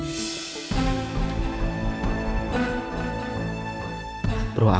sampai jumpa lagi